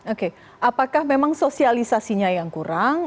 oke apakah memang sosialisasinya yang kurang